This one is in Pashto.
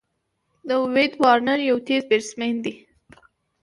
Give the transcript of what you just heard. داويد وارنر یو تېز بېټسمېن دئ.